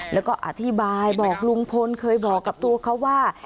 แล้วก็อธิบายบอกลุงพลเคยบอกกับตัวเขาว่า